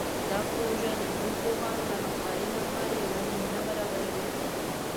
دا پروژه د نوو پوهانو د همکارۍ لپاره یوه زمینه برابروي.